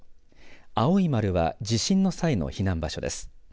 青い丸は地震の際の避難場所です。